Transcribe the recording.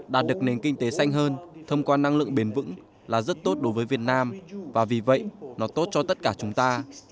đạt được nền kinh tế xanh hơn thông qua năng lượng bền vững là rất tốt đối với việt nam và vì vậy nó tốt cho tất cả chúng ta